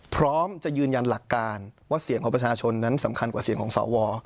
พร้อมจะยืนยันหลักการว่าเสียงของประชาชนนั้นสำคัญกว่าเสียงของสว